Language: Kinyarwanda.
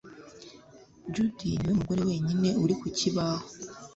Judy niwe mugore wenyine uri ku kibaho